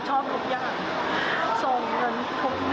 หนูว่ามันไม่คุ้มหรอก